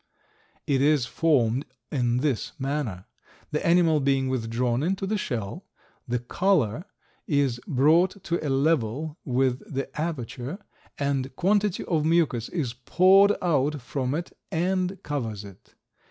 It is formed in this manner: The animal being withdrawn into the shell, the collar is brought to a level with the aperture, and a quantity of mucus is poured out from it and covers it.